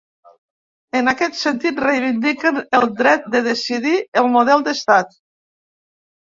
En aquest sentit, reivindiquen el dret de decidir el model d’estat.